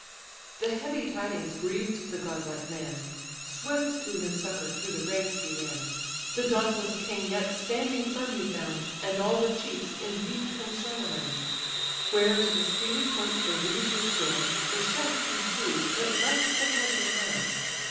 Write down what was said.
The heavy tidings grieved the godlike man: Swift to his succour through the ranks he ran. The dauntless king yet standing firm he found, And all the chiefs in deep concern around. Where to the steely point the reed was join'd, The shaft he drew, but left the head behind.